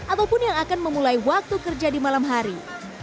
ataupun yang akan memulai waktu kerja di malam hari